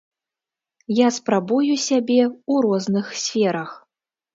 Я спрабую сябе ў розных сферах.